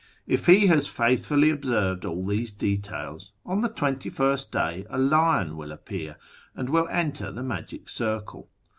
If he has faith fully observed all these details, on the twenty first day a lion will appear, and will enter the magic circle.